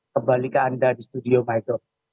kembali ke anda di studio michael